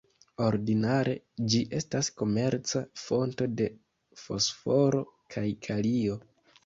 Ordinare, ĝi estas komerca fonto de fosforo kaj kalio.